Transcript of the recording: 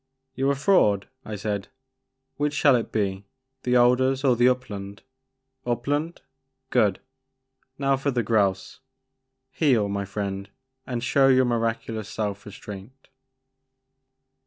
You 're a fraud," I said ;which shall it be, the alders or the upland ? Upland ? Good !— now for the grouse, — heel, my friend, and show your miraculous self restraint."